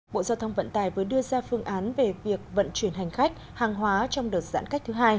bộ giao thông vận tài vừa đưa ra phương án về việc vận chuyển hành khách hàng hóa trong đợt giãn cách thứ hai